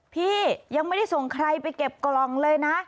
พี่ยังไม่ได้ส่งใครไปเก็บกล่องเลยนะ